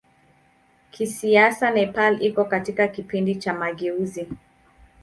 Kisiasa Nepal iko katika kipindi cha mageuzi.